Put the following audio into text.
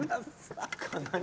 何？